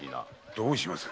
どうします？